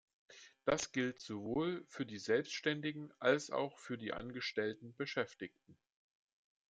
Das gilt sowohl für die Selbständigen als auch für die angestellten Beschäftigten.